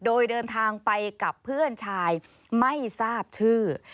โดยเดินทางไปกับเพื่อนชายไม่ทราบชื่อ